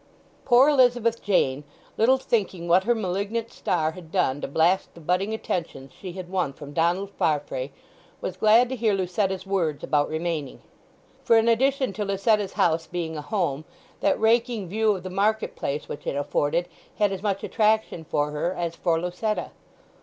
Poor Elizabeth Jane, little thinking what her malignant star had done to blast the budding attentions she had won from Donald Farfrae, was glad to hear Lucetta's words about remaining. For in addition to Lucetta's house being a home, that raking view of the market place which it afforded had as much attraction for her as for Lucetta.